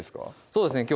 そうですね